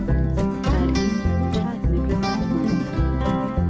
بارگین چاک نهبی ناتوانێ